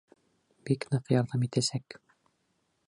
Бик ныҡ «ярҙам итәсәк»!